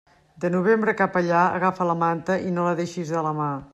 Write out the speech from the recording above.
De novembre cap allà, agafa la manta i no la deixes de la mà.